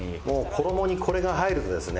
「衣にこれが入るとですね